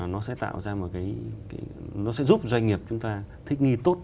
nó sẽ tạo ra một cái nó sẽ giúp doanh nghiệp chúng ta thích nghi tốt